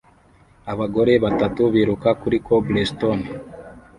Abagore batatu biruka kuri cobblestone